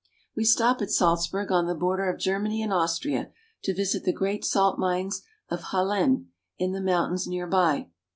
We stop at Salzburg, on the border of Germany and Austria, to visit the great salt mines of Hallein in the mountains near by.